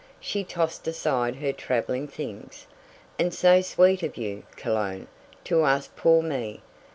She tossed aside her traveling things. "And so sweet of you, Cologne, to ask poor me.